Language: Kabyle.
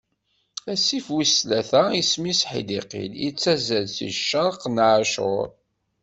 Asif wis tlata isem-is Ḥidiqil, ittazzal di ccerq n Acur.